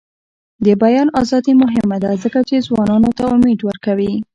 د بیان ازادي مهمه ده ځکه چې ځوانانو ته امید ورکوي.